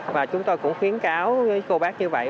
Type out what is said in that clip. và chúng tôi cũng khuyến cáo với cô bác như vậy